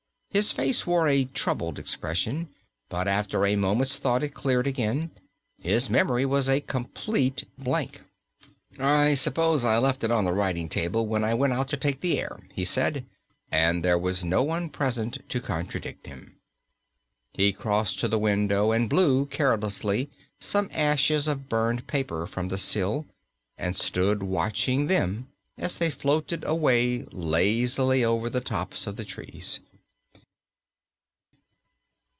His face wore a troubled expression, but after a moment's thought it cleared again. His memory was a complete blank. "I suppose I left it on the writing table when I went out to take the air," he said. And there was no one present to contradict him. He crossed to the window and blew carelessly some ashes of burned paper from the sill, and stood watching them as they floated away lazily over the tops of the trees.